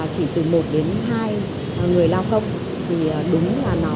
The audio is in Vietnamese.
chỉ từ một đến hai người lao công